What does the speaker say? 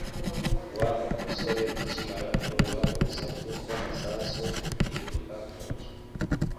Wa musore akimara kumva urusaku rw'amasasu, yiruka mu nzu